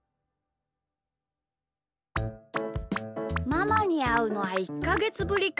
ママにあうのはいっかげつぶりかあ。